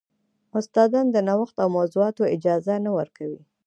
استادان د نوښت او موضوعاتو اجازه نه ورکوي.